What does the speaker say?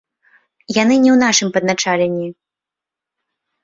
Яны не ў нашым падначаленні.